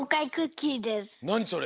なにそれ？